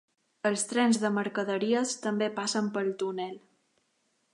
Els trens de mercaderies també passen pel túnel.